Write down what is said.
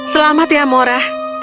selamat ya mora